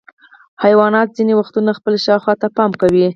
حیوانات ځینې وختونه خپل شاوخوا ته پام کوي.